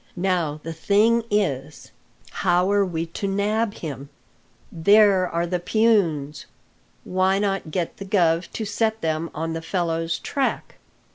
Now the thing is how are we to nab him?" "There are the peons. * Why not get the guv to set them on the fellow's track?"